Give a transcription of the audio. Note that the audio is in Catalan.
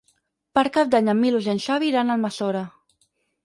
Per Cap d'Any en Milos i en Xavi iran a Almassora.